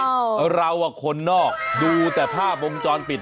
คืออย่างนี้เราคนนอกดูแต่ภาพมงจรปิด